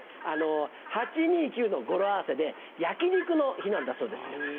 「８２９」の語呂合わせで焼き肉の日なんだそうですよ。